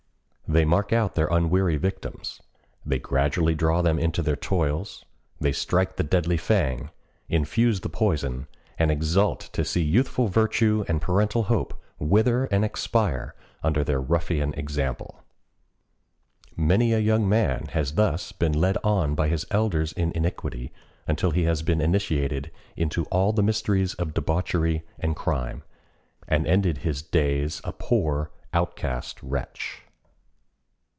They mark out their unwary victims: they gradually draw them into their toils; they strike the deadly fang, infuse the poison, and exult to see youthful virtue and parental hope wither and expire under their ruffian example. Many a young man has thus been led on by his elders in iniquity till he has been initiated into all the mysteries of debauchery and crime, and ended his days a poor, outcast wretch.